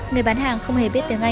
người bán hàng không hề biết tiếng anh